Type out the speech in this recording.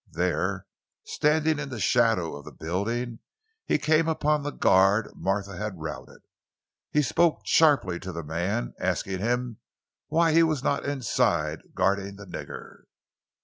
There, standing in the shadow of the building, he came upon the guard Martha had routed. He spoke sharply to the man, asking him why he was not inside guarding the "nigger."